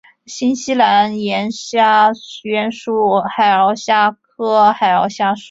新西兰岩虾原属海螯虾科海螯虾属。